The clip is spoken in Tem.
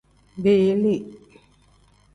Biili.